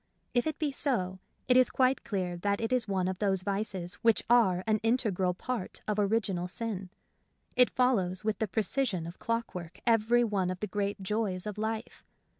If it be so, it is quite clear that it is one of those vices which are an integral part of original sin. It follows with the precision of clockwork every one of the great joys of life.